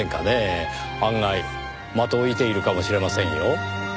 案外的を射ているかもしれませんよ。